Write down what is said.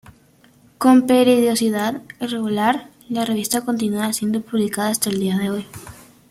Con periodicidad irregular, la revista continúa siendo publicada hasta el día de hoy.